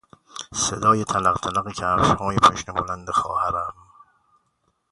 صدای تلقتلق کفشهای پاشنه بلند خواهرم